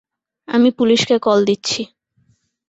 আমি পুলিশকে কল দিচ্ছি।